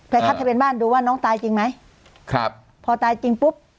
คัดทะเบียนบ้านดูว่าน้องตายจริงไหมครับพอตายจริงปุ๊บ